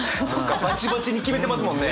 バチバチに決めてますもんね。